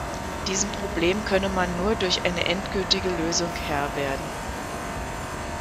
Diesem Problem könne man nur durch eine endgültige Lösung Herr werden.